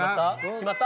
決まった？